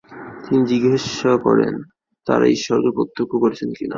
তিনি জিজ্ঞাসা করেন, তারা ঈশ্বরকে প্রত্যক্ষ করেছেন কিনা।